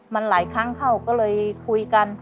มันหลายครั้งเข้าก็เลยคุยกัน